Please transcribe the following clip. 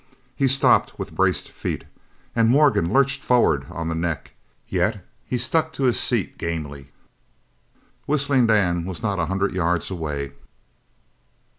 He stopped with braced feet, and Morgan lurched forwards on the neck, yet he struck to his seat gamely. Whistling Dan was not a hundred yards away.